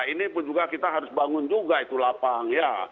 ini pun juga kita harus bangun juga itu lapang